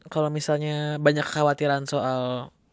kalau misalnya banyak kekhawatiran soal